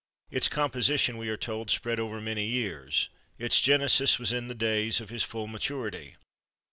Its composition, we are told, spread over many years; its genesis was in the days of his full maturity.